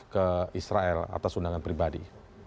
ke israel atas undangan pribadi